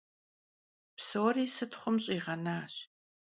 Psori sıtxhum ş'iğenaş.